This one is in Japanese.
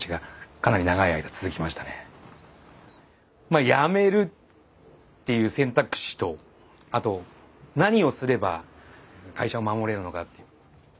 まあやめるっていう選択肢とあと何をすれば会社を守れるのか。